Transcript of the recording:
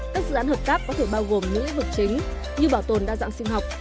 các dự án hợp tác có thể bao gồm những lĩnh vực chính như bảo tồn đa dạng sinh học